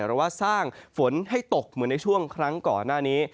ว่าสร้างฝนให้ตกเหมือนในช่วงครั้งก่อนหน้านี้